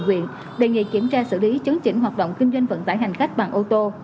huyện đề nghị kiểm tra xử lý chấn chỉnh hoạt động kinh doanh vận tải hành khách bằng ô tô